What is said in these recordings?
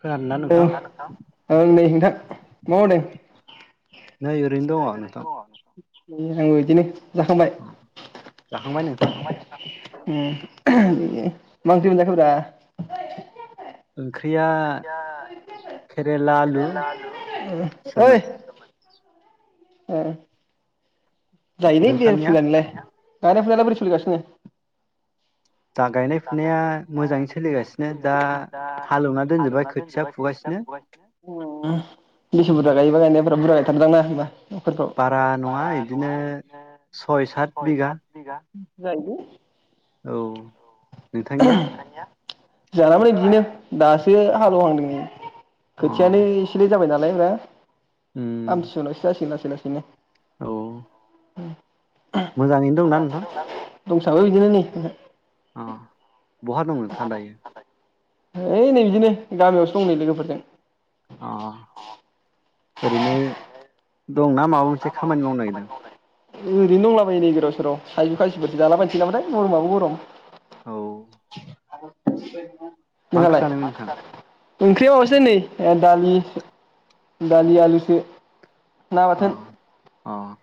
खोनादोंना दो नोंथां ओं नै नोंथां मा मावदों? नै ओरैनो दङ नोंथां। ओम आंबो बिदिनो जाखांबाय? जाखांबाय नोंथां ओम मा ओंख्रि मोनजाखो ब्रा? ओंख्रिया केरेला आलु ओइ सोमोन ओ जायोलै बेरे नोंथांनिया फुंजानिलाय ला बोरै सोलि गासिनो? दा गायनाय फुनाया मोजाङै सोलिगासिनो दा हालेवना दोनजोबबाय खोथिया फुगासिनो ओं बेसे बुरजा गायोबा गायनाया बा? बुरजा गायथारो दां ना होमबा? न'खरफ्राव? बारा नङा इदिनो सय सात बिगा। जायो लै। औ नोंथांनिया? जानाबो नै बिदिनो दासो हालौवहांदों अ खोथियायानो इसे लेद जाबायना लायब्रा उम आमथि सुवानि उनावसो जासिगोन दां। [inaudible] औ मोजाङैनो दंना नोंथां? दंसाबो बिदिनो नै ओ बहा दं नोंथाङा दायो? है नै बिदिनो गामियावसो दं नै लोगोफोरजों। अ ओरैनो दंना माबा मोनसे खामानि मावनो नागिरदों? ओरैनो दंलाबायो नै गोदाव सोराव थाइजौ खाजिफोरसो जालाबायनोसै नामाथाय गरमाबो गरम। औ [unintelligible] मा ओंख्रि जानायमोन नोंथां? ओंख्रिया माबासो नै ओ दालि दालि आलुसो। ना बाथोन अ' अ'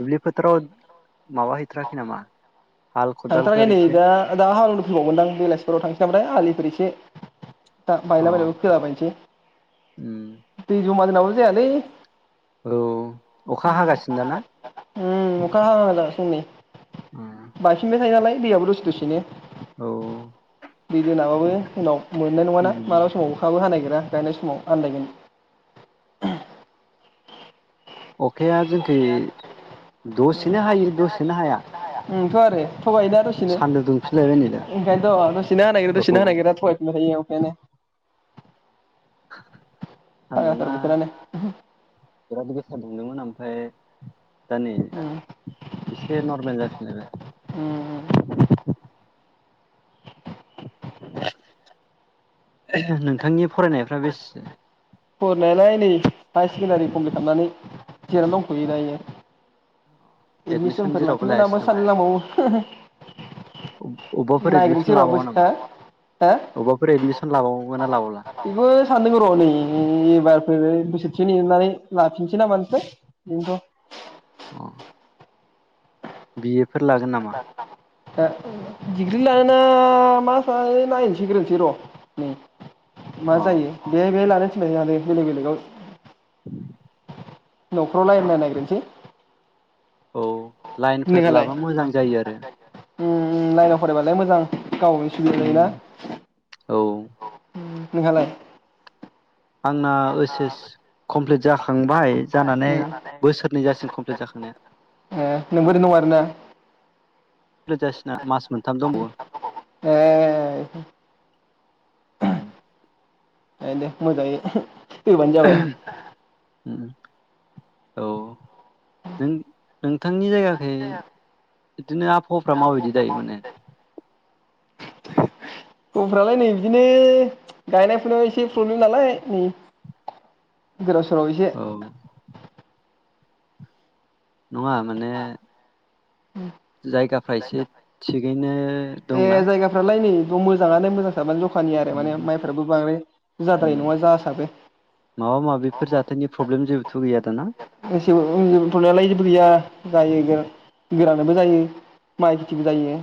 दुब्लि फोथाराव माबा हैैथाराखै नामा? हाल थांथाराखै खदालफोर नै एसे दा दा हालौ गौमोन दां बिलासिफोराव थांसै नामाथाय आलिफोर एसे दा अ बायला बायनायखौ खोला बायनिसै उम दै जमा जोनावबो जायालै औ अखा हागासिनो दाना? उम अखा हागासिनो नै उम बायफिनबाय थायोनोलाय दैयाबो दसे दसेनो औ बिनो नामाबो। उनाव मोननाय नङा ना उम मालाबा समाव अखाबो हानायगोन दा गायनाय समाव आन्दायगोन। अखाया जोंखै दसेनो हायो दसेनो हाया। ओं थ आरो थगायो दा दसेनो सान्दुं दुंफिनलायबाय नै दा ओंखायनोथ' दसेनो हानाय दसेनो औ हानो नागिरा थगायफिनबाय थायो औ बेेने फागलाथार सान्दुङा बोथोरानो दा दुंदोंमोन आमफाय दा नै उम एसे नरमेल जाफिनलायबाय। उम उम नोंथांनि फरायनायफोरा बेसेसो फरायनायालाय नै हायार सेकेनडारि कमफिलद खालामनानै जिरनानै दंथयो दायो। एदमिसन एडमिसनफोर जेरावबो लाफिनो लायासै नामा? साननो नांबावो अ-अबबाफोर नायग्रोनोसै एदमिसन र' लाबावा बोस हो नामा? अबेबाफोर एदमिसन लाबावगोन ना लाबावला? बेखौनो सानदों र' नै एबारफोर बोसोरसे नेनानै लाफिनसै नामानोसै बेनोथ' [unintelligible] बि ए फोर लागोन नामा? ओ डिग्रि लानो मालानो नायनोसैग्रोनिसै र' अ माजायो बे बे लानोस माना बे बेलेग बेलेगाव [inaudible] न'खराव रालायना नायग्रोनोसै औ लाइनथार लाबा मोजां जायो आरो ओम लाइनाव फरायबालाय मोजां गावनि सुबिदा उम जायो ना औ नोंहालाय आंना ओस एस कमप्लिट जाखांबाय जानानै उम बोसोरनै जासिम कमप्लिट जाखांनाया ए नोंबो दं आरोना रोजासिना मास मोनथाम दंबावो ओ अ होम आ दे मोजांयै फैबानो जाबाय उम औ नों नोंथांनि जायगाखै बिदिनो आबहावाफ्रा माबायदि दायो माने खबरफ्रालाय नै बिदिनो गायनायफोरनाव एसे प्रब्लेम नालाय नै गोदाव सोराव एसे औ नङा माने जायगाफ्रा एसे थिगैनो ए दंना जायगाफ्रालाय नै मोजाङानो मोजां बाबानो जखानि आरो उम माने माइफ्राबो बांद्राय उम जाद्राय नङा जासाबो माबा माबिफोर जाथायनि [inaudible] एसेबो ओं जेबो थ गैया जायै जों गोरानानोबो जायो माइ खेथिबो जायो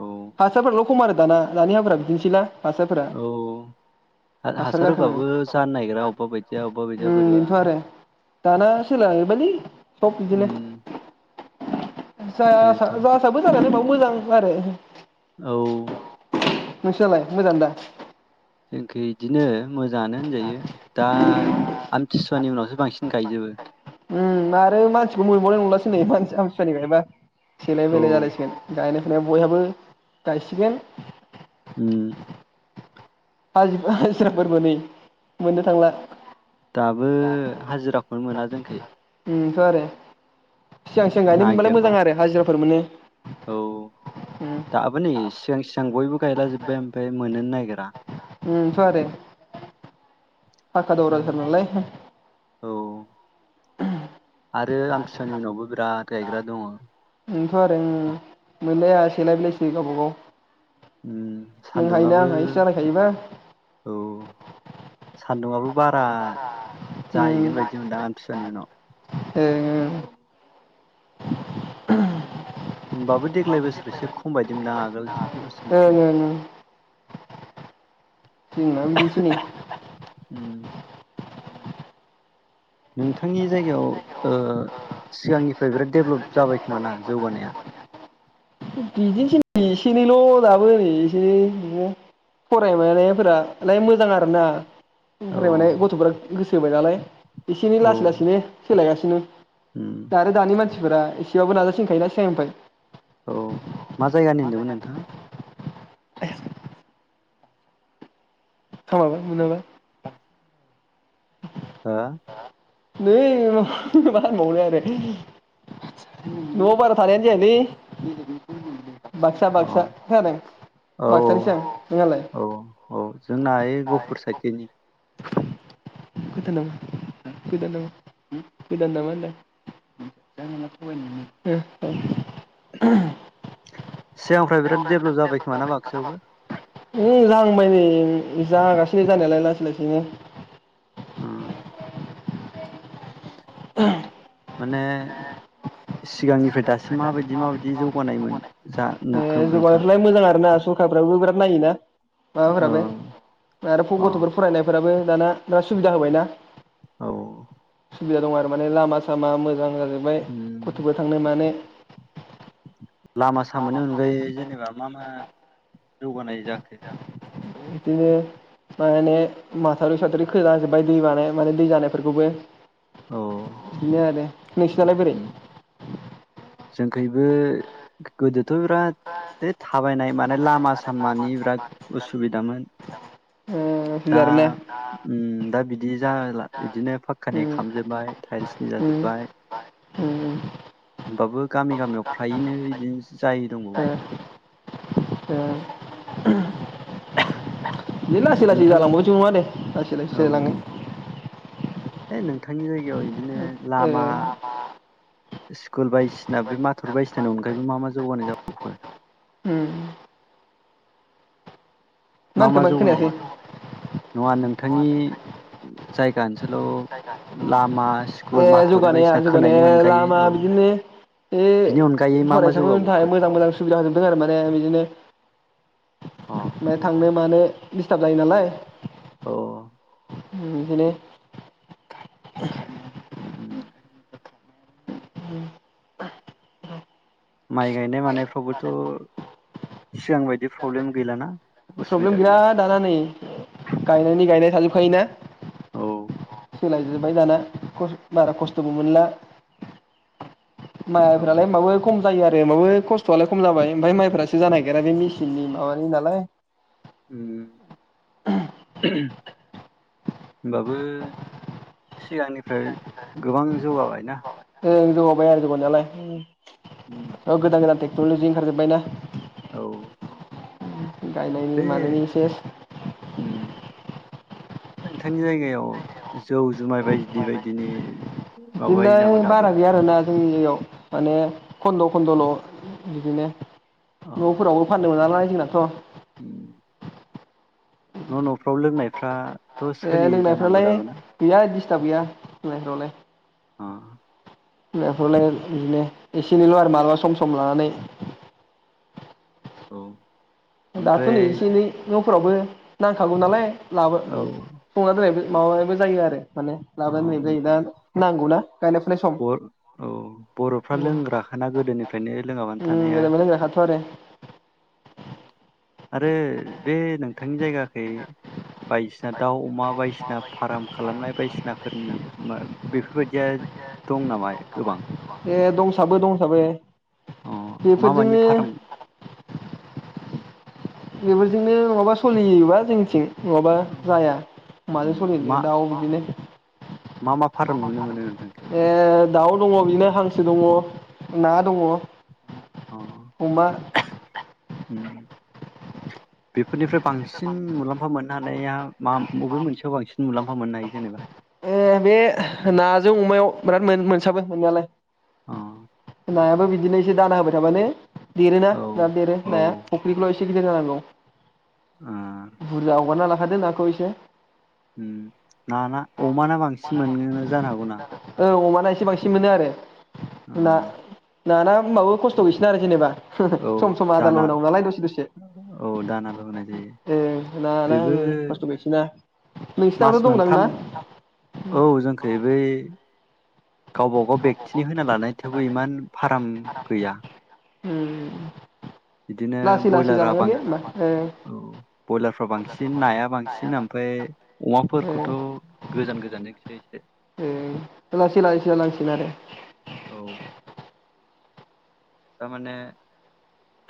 औ हासार फोरालाय खम आरो दाना दानि हाफोरा बिदिनोसै ना औ हा हासार होबाबो जानो नागिरा अबेबा बायदिया अबेबा बायदिया उम बोरैबा बेनोथ' आरो दाना सोलाय लांजोबायलै सब उम बिदिनो जा सा बेनोथ' जासाबो जानायालाय होमबाबो मोजां आरो औ नोंसिनालाय मोजां दा जोंनिखै इदिनो मोजाङानो होनजायो दा आमति सुवानि उनावसो बांसिन गायजोबो उम आरो मानसिखौ मोनबावनाय नंलासो नै मानसि आमसुवानि गायबा सेलाय औ बेलाय जालाय सिगोन गायनाय बयहाबो गायसिगोन उम हाजि हाजिराफोरबो नै मोननो थांला दाबो हाजिराखौनो मोना जोंखै ओं थ' आरो सिगां सिगां गायनो मोनबालाय नागिरबो मोजां आरो हाजिराफोर मोनो औ दाबो नै सिगां सिगां बयबो गायला जोबबाय ओमफ्राय मोन्नोनो नागिरा। ओमथ' आरो। फाखा दा दावराथार नालाय औ आरो आमथिसुवानि उनावबो बिराद गायग्रा दङ। ओमथ' आरो औ मोनलाया सेलाय बेलायसै गावबागाव। उम नों हायोना सान्दुंआबो आं हायोसो जालायखायोबा। औ सान्दुंआबो बारा जाहैगोन बायदि मोनदां आमथिसुवानि उनाव। ओ होमबाबो देग्लाय बोसोराव एसे खम बायदि मोनदों आगोल ओं बोसोरनिफ्राय ओं ओं। जोंना बिदिनोसै नेै? ओम नोंथांनि जायगायाव ओ सिगांनिफ्राय बिराद डेभलप जाबाय खोमा ना जौगानाया? बिदिनोसै एसे एनैल' दाबो नै एसे एनै बिदिनो फरायनाय मानायफोरालाय मोजां आरोना। औ ओमफ्राय माने गथ'फोरा गोसो होबाय नालाय एसे एनै औ लासै लासैनो सोलायगासिनो उम [unintelligible] आरो दानि मानसिफोरा एसे बेेयावबो नाजासिनखायोना सिगांनिफ्राय औ मा जायगानि होनदोंमोन नोंथाङा? [inaudible] [unintelligible] हा? नै बे मा होनबावनो आरो न'आव बारा थानायानो जायालै। बाक्सा अ बाक्सा खोनादों औ बाक्सानिसो आं औ नोंहालाय? औ औ जोंना ओइ गहपुर साइडखैनि गोदान नामा, गोदान नामा, गोदान नामा होनदां [inaudible] सिगांनिफ्राय बिराद डेभलप जाबाय खोमाना बाक्सायावबो? [unintelligible] जाहांगासिनो जानायालाय लासै लासैनो उम। [inaudible] ने सिगांनिफ्रायद दासिम माबायदि माबायदि जौगानायमोन जा ए नुखो नोंथाङा जौगानायफ्रालाय मोजां आरोना सरखारफ्राबो बिराद नायो ना? माबाफोराबो औ आरो फ अ गथ'फोर फरायनायफोराबो दाना दा सुबिदा होबायना? औ सुबिदा दं आरो माने लामा सामा मोजां आर जोबाय उम गथ'फो थांनाय मानाय हा मोननि अगायै जेनबा दा मा मा जौगानाय जाखो? बिदिनो माने माथावरि साथरि खोला जोब्बाय दै बानाया माने दै जानायफोरखौबो। औ दिनो आरो नोंसोर नियालाय बोरै? जोंखैबो गोदोथ' राद थोद थाबायनाय मान लामा सामानि बिराद उसुबिदामोन। ओ दा सुबिदा आरोना उम दा बिद दि जाला इदिनोब पाक्कानि उम खामजोब्बाय टाइल्सनि उम जाजोब्बाय। उम ओमबाबो गामि गामियाव फ्रायैनो बिदिनो जायै दंबावो। ओ दे लासै लासै नोंथां जालांबाबो जेबो नङा दे लासै लासै जायलांगोन। बे नोंथांनि जायगायाव इदिनो लामा स्कुल बायदिसिना बे माथुर बायदिसिनानि अनगायैबो मा मा जौगानाय जाबावखो? उम मा मा होनखोमोन जौगानाय खोनायासै नङा नोंथांनि सायगाल ओनसो ए माथावरि जौगानाया बायदिसिना खोनायनि जौगानाया अनगायै लामा औ बिदिनो बे बिनि अनगायै मा मा फरायसाफोरनि जौगाबावखो? थाखाय मोजां मोजां सुबिदा होजोबदों आरो माने बिदिनो अ [unintelligible] थांनोब मानो दिस्टाब जायो नालाय औ उम ओंखायनो [unintelligible] उम माइ गायनाय मानायफ्रावबोथ सिगां बायदि फ्रबलेम गैलाना? प्रब्लेम गैला दाना नै गायनायनि गायनाय थाजो खायोना। औ। सोलायजोबबाय दाना खस बारा खस्थ'बो मोनला। औ मालायफोरालाय माबो खम‌ जायो आरो माबो खस्थ'आलाय खम जाबाय ओमफ्राय माइफ्रासो जानो नागिरा बे मेसिननि माबानि नालाय। उम। होनबाबो सिगांनिफ्राय गोबां जौगाबायना। ओं जोगाबाबय आरो जौगानायालाय उम। अ गोदान गोदान‌ थेग नलजि ओंखारजोबबाय ना। औ। उम। गायनायनि बे मानायनि सेस नोंथांनि जायगायाव जौ जुमाय बायदि बायदिनि माबायो नामा बिलाय दाबो बारा गैया आरोना जोंनि नियाव माने खन्द खन्दल बिदिनो। नफोरावबो फाननो मोना नालाय। जोंनाथ उम। न नफ्राव लोंनायफ्रा ए लोंनायफ्रालाय गैया इदि हिसाब गैया लोंनायफ्रावलाय। अ। लोंनायफोरलाय बिदिनो एसे एनैल आरो मालाबा सम सम लानानै औ। दाथ नै ओमफ्राय एसे एनैफ्राव फोरावबो नांखागौ नालाय। लाबो औ संना दोनाय माबाबो जायो आरो। माने औ लाबानो लैबाय जायो दा नांगौनाा गायनाय फुनाय सम बर औ बर'फ्रा लोंग्राखाना गोदोनिफ्रायनो लोङाबानो उम थानो हाया दानाबा लांजाखाथ' आरो। आरो बे नोंथांनि जायगाखौ खै बायदिसिना दाउ अमा बायदिसिना फार्म खालामनाय बायदिसिनाफोरनि मा बेफोरबायदिया दं नामा गोबां? ए दंसाबो दंसाबो। अ मा मानि बेफोरजोंनो फाराम? बेफोरजोंनो नङाबा सोलिजोबा जोंनिथिं। नङाबा जाया माजों मा सोलिनो दाउ बिदिनो। मा मा फार्म नुनो मोनो नोंथांखै? ए दाउ दङ बिनो हांसो दङ, ना दङ अ अमा बेफोरनिफ्राय बांसिन मुलाम्फा मोननो हानाया मा? बबे मोनसेयाव बांसिन मुलाम्फा मोननो हायो जेनेबा? ए बे नाजों अमायाव बिराद मोनो मोनसाबो मोननायालाय अ। नायाबो बिदिनो एसे दाना होबाय थाबानो देरो ना औ दा देरो औ नाया ओ फख्रिखौल' एसे गिदिर जानांगौ। बुरजा हगारना ला लादो नाखौ एसे उम ना ना अमा ना? बांसिन मोनो जानो हागौ ना? औ अमाना एसे बांसिन मोनो आरो। ना नाना होमबाबो खस्थ' गैसिगोना आरो जेनेबा। औ [unintelligible] सम सम आदारल' दाना होनांगौ नालाय दसे दसे। औ दानाल' होनाय जायो ओ नाना बेबो ओं खस्थ' गैसिना। मास नोंसिनावथ' दंदां मोनथाम ना? औ जोंखै बै गावबा गाव बेक्तिनि होना लानाय थेवबो इमान फाराम गैया। उम। बिदिनो लासै लासै ब्रयलारा जालांगोन बां दे होमबा औ ब्रयलारफ्रा बांसिन, नाया बांसिन ओमफ्राय ओ अमाफोरखौथ' गोजान गोजानजोंसो एसे ओ ओला सिलाय सिला लांसिनगोन औ आरो। थारमाने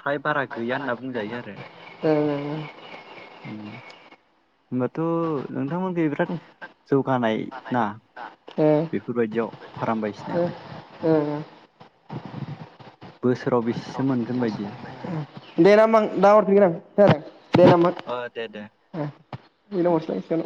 फ्राय बारा गैया होनना बुंजायो आरो। ओ उम होमबाथ' नों नोंथांमोनखै बिराद जौगानाय ना ओ बेफोरबायदियाव फाराम ओ बायदिसिनायाव? ओ। उम बोसोराव बेसेसो मोनगोन बायदि दे ना होमबा आं दा हरफिगोन आं। खोनादों? दे ना होमबा अ दे दे ओ बेनाव उम हरस्लाय